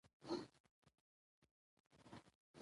ازادي راډیو د اداري فساد لپاره د چارواکو دریځ خپور کړی.